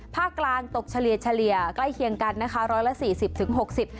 ภาคกลางตกเฉลี่ยเฉลี่ยใกล้เคียงกันนะคะร้อยละสี่สิบถึงหกสิบ